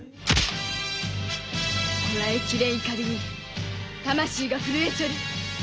こらえきれん怒りに魂が震えちょる。